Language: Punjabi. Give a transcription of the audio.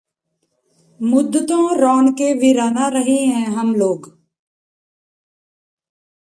ਮੁੱਦਤੋਂ ਰੌਨਕੇ ਵੀਰਾਨਾ ਰਹੇ ਹੈਂ ਹਮ ਲੋਗ